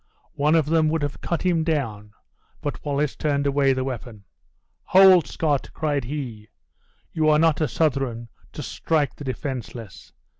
One of them would have cut him down, but Wallace turned away the weapon. "Hold, Scot!" cried he, "you are not a Southron, to strike the defenseless.